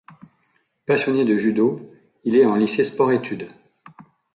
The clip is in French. Passionné de judo, il est en lycée sport-études.